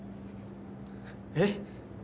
えっ？